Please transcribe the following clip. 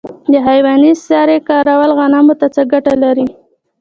د حیواني سرې کارول غنمو ته څه ګټه لري؟